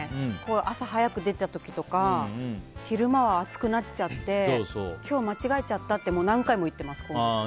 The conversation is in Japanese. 朝早く出た時とか昼間は暑くなっちゃって今日間違えちゃったって何回も言ってます、今月。